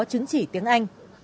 chứng chỉ tiếng anh